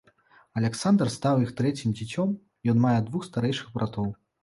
Аляксандр стаў іх трэцім дзіцём, ён мае двух старэйшых братоў.